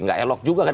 gak elok juga kan